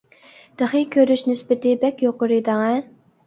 تېخى كۆرۈش نىسبىتى بەك يۇقىرى دەڭە.